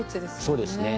そうですね。